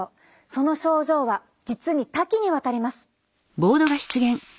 その症状は実に多岐にわたります。